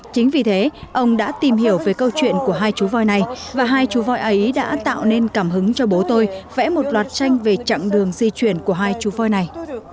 chính vì thế ông đã tìm hiểu về câu chuyện của hai chú voi này và hai chú voi ấy đã tạo nên cảm hứng cho bố tôi vẽ một loạt tranh về chặng đường di chuyển của hai chú voi này